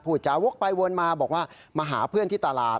จาวกไปวนมาบอกว่ามาหาเพื่อนที่ตลาด